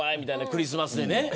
クリスマスでね